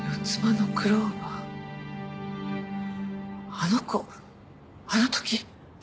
あの子あの時。